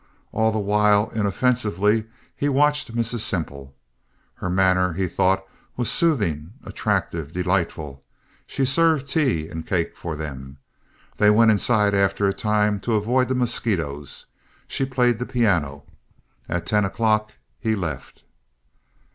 All the while, inoffensively, he watched Mrs. Semple. Her manner, he thought, was soothing, attractive, delightful. She served tea and cake for them. They went inside after a time to avoid the mosquitoes. She played the piano. At ten o'clock he left.